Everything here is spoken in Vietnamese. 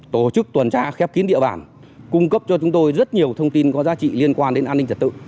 tổ chức tuần tra khép kín địa bàn cung cấp cho chúng tôi rất nhiều thông tin có giá trị liên quan đến an ninh trật tự